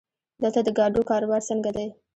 دلته د ګاډو کاروبار څنګه دی؟